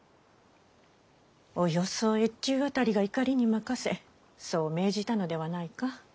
およそ越中あたりが怒りに任せそう命じたのではないか？